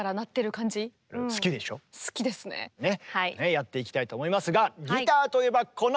やっていきたいと思いますがギターといえばこのお方！